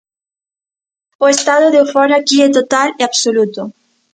O estado de euforia aquí é total e absoluto.